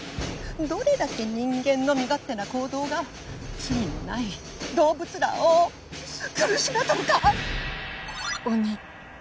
どれだけ人間の身勝手な行動が罪のない動物らを苦しめとるか！